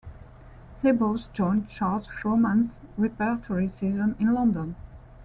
They both joined Charles Frohman's repertory season in London.